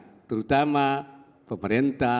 terutama pemerintah akademisi dan juga pemerintah